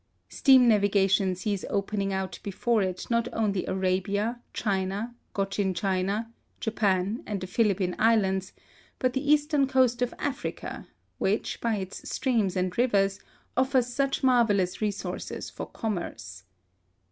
Steam navigation sees opening out before it not only Arabia, China, Cochin China, Japan, and the Philippine Islands, but the eastern coast of Africa, which, by its streams and rivers, offers such marvellous resources for commerce.